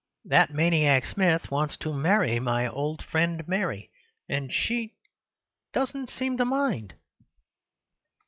That maniac Smith wants to marry my old friend Mary, and she— and she—doesn't seem to mind."